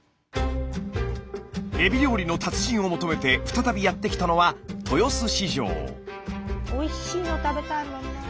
エビ料理の達人を求めて再びやって来たのはおいしいの食べたいもんなぁ。